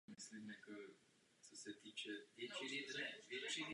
Mimo německy mluvící země se objevuje vzácně.